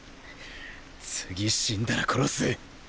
次死んだら殺す。